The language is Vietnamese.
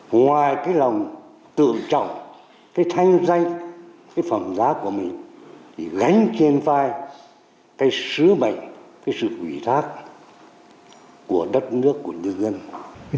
ngoài cái lòng tự trọng cái thanh danh cái phẩm giá của mình thì gánh trên vai cái sứ mệnh cái sự ủy thác của đất nước của nhân dân